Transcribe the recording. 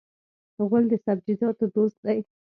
غول د سبزیجاتو دوست دی.